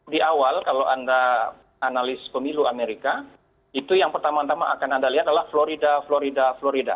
di awal kalau anda analis pemilu amerika itu yang pertama tama akan anda lihat adalah florida florida florida